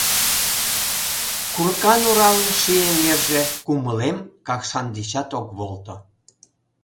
Курыкан Уралын ший эҥерже Кумылем Какшан дечат ок волто.